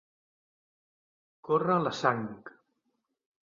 Córrer la sang.